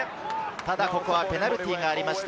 ただペナルティーがありました。